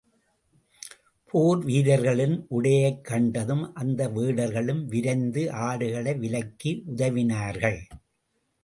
போர் வீரர்களின் உடையைக் கண்டதும் அந்த வேடர்களும், விரைந்து, ஆடுகளை விலக்கி உதவினார்கள்.